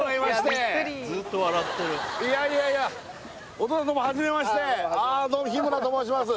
お父さんどうも初めましてどうも日村と申します